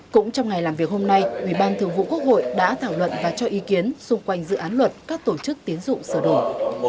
cũng trong ngày làm việc hôm nay ubthqh đã thảo luận và cho ý kiến xung quanh dự án luật các tổ chức tiến dụng sở đổi